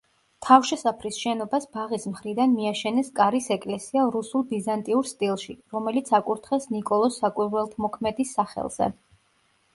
თავშესაფრის შენობას ბაღის მხრიდან მიაშენეს კარის ეკლესია რუსულ-ბიზანტიურ სტილში, რომელიც აკურთხეს ნიკოლოზ საკვირველთმოქმედის სახელზე.